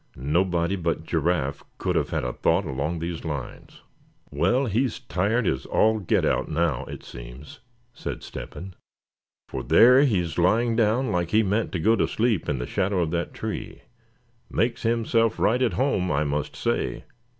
Nobody but Giraffe could have had a thought along these lines. "Well, he's tired as all get out now, it seems," said Step hen; "for there he's lying down like he meant to go to sleep in the shadow of that tree. Makes himself right at home, I must say.